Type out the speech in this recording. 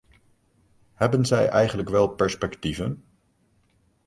Hebben zij eigenlijk wel perspectieven?